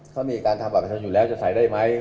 เขามีการทำอากาศนอยู่แล้วจะใส่ได้ไหม